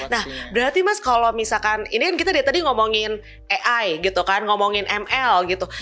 nah berarti mas kalau misalkan ini kan kita dari tadi ngomongin ai gitu kan ngomongin ml gitu